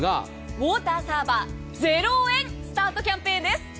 ウォーターサーバー０円スタートキャンペーンです。